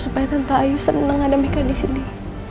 supaya tante ayu seneng ada mereka disini